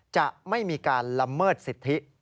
จะไม่มีการละเมิดสิทธิ